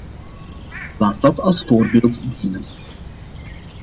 Laat dat als voorbeeld dienen!